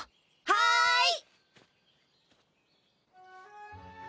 はい！